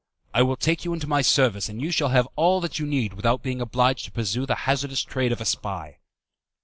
"I will take you into my service, and you shall have all that you need without being obliged to pursue the hazardous trade of a spy."